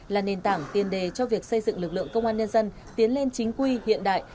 là nền tảng tiền đề cho việc xây dựng lực lượng công an nhân dân tiến lên chính quy hiện đại